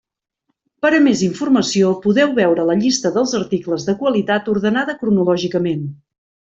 Per a més informació podeu veure la llista dels articles de qualitat ordenada cronològicament.